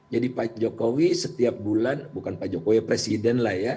jadi pak jokowi setiap bulan bukan pak jokowi presiden lah ya